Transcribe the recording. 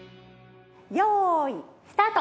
よーいスタート！